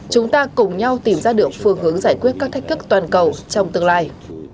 chúng ta cùng nhau tìm ra được phương hướng giải quyết các thách thức toàn cầu trong tương lai